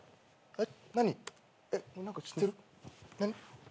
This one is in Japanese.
えっ！？